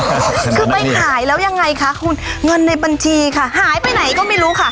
คือไปขายแล้วยังไงคะคุณเงินในบัญชีค่ะหายไปไหนก็ไม่รู้ค่ะ